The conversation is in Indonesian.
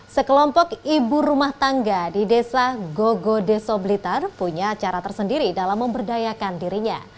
sekelompok ibu rumah tangga di desa gogo desa blitar punya cara tersendiri dalam memberdayakan dirinya